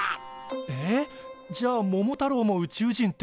えっじゃあ桃太郎も宇宙人ってこと。